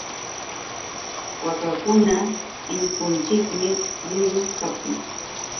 Wawakunata illpunchikmi llullu kaptin.